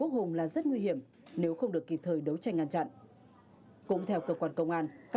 hùng đặt súng đồ chơi có chữ metincharge